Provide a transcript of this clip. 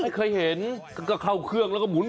ไม่เคยเห็นก็เข้าเครื่องแล้วก็หมุน